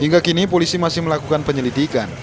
hingga kini polisi masih melakukan penyelidikan